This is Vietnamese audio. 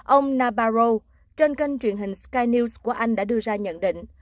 ông nabarro trên kênh truyền hình sky news của anh đã đưa ra nhận định